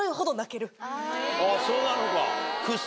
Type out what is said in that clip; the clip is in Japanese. そうなのか。